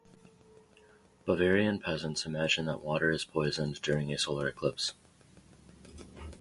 Bavarian peasants imagine that water is poisoned during a solar eclipse.